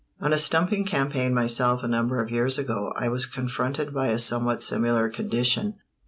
On a stumping campaign myself a number of years ago I was confronted by a somewhat similar condition.